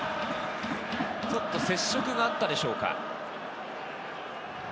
ちょっと接触があったでしょうか？